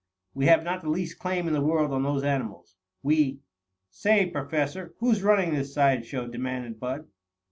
"We have not the least claim in the world on those animals. We " "Say, Professor, who's running this side show?" demanded Bud.